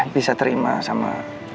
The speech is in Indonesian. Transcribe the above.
bisa terima sama